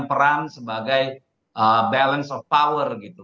peran sebagai balance of power gitu